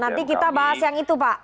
nanti kita bahas yang itu pak